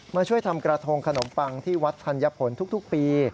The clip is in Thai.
มาช่วยทำกระทงขนมปังที่วัดธัญผลทุกปี